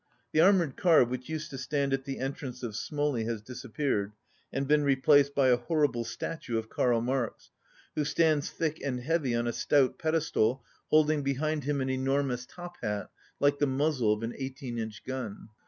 The armoured car which used to stand at the entrance of Smolni has disappeared and been re placed by a horrible statue of Karl Marx, who stands, thick and heavy, on a stout pedestal, hold 15 ing behind him an enormous top hat like the muz zle of an eighteen inch gun.